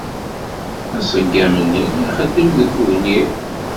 Aṣeggam-nni la ixeddem deg wegnir.